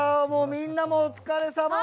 みんなもお疲れさま！